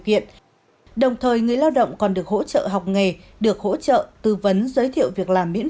kiện đồng thời người lao động còn được hỗ trợ học nghề được hỗ trợ tư vấn giới thiệu việc làm miễn